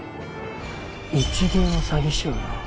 一流の詐欺師はな